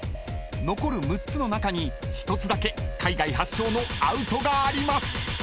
［残る６つの中に１つだけ海外発祥のアウトがあります］